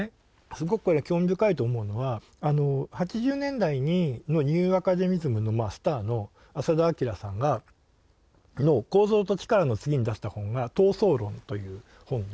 すごくこれは興味深いと思うのは８０年代のニューアカデミズムのスターの浅田彰さんの「構造と力」の次に出した本が「逃走論」という本で。